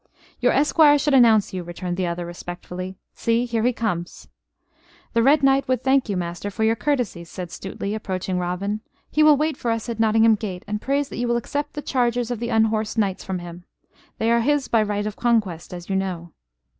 "Your esquire should announce you," returned the other, respectfully. "See, here he comes " "The Red Knight would thank you, master, for your courtesies," said Stuteley, approaching Robin. "He will wait for us at Nottingham gate; and prays that you will accept the chargers of the unhorsed knights from him. They are his by right of conquest, as you know."